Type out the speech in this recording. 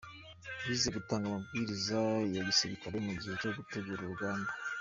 Bize gutanga amabwiriza ya gisirikare mu gihe cyo gutegura urugamba .